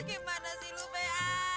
gimana sih lu bea